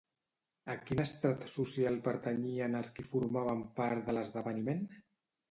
A quin estrat social pertanyien els qui formaven part de l'esdeveniment?